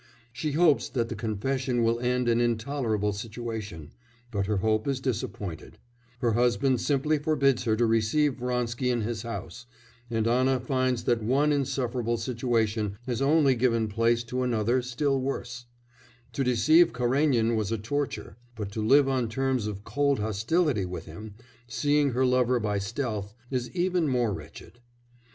She hopes that the confession will end an intolerable situation, but her hope is disappointed; her husband simply forbids her to receive Vronsky in his house, and Anna finds that one insufferable situation has only given place to another still worse; to deceive Karénin was a torture, but to live on terms of cold hostility with him, seeing her lover by stealth, is even more wretched.